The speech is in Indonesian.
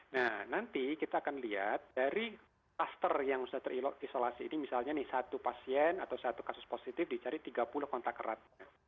nah nanti kita akan lihat dari kluster yang sudah terisolasi ini misalnya nih satu pasien atau satu kasus positif dicari tiga puluh kontak erat